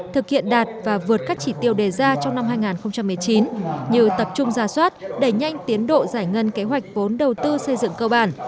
thực hiện đạt và vượt các chỉ tiêu đề ra trong năm hai nghìn một mươi chín như tập trung ra soát đẩy nhanh tiến độ giải ngân kế hoạch vốn đầu tư xây dựng cơ bản